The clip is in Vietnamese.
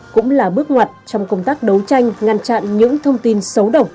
cũng là bước ngoặt trong công tác đấu tranh ngăn chặn những thông tin xấu độc